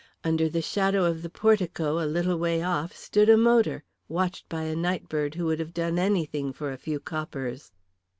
Under the shadow of the portico a little way off stood a motor, watched by a nightbird who would have done anything for a few coppers.